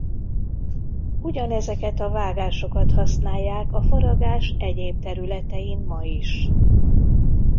Ugyanezeket a vágásokat használják a faragás egyéb területein ma is.